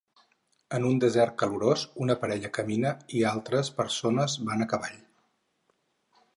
En un desert calorós una parella camina i altres persones van a cavall.